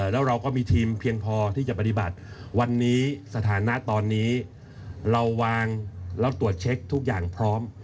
แล้วเราก็มีทีมเพียงพอที่จะปฏิบัติวันนี้สถานะตอนนี้เราวางแล้วตรวจเช็คทุกอย่างพร้อม